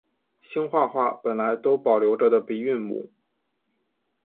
兴化话本来都保留着的鼻韵母。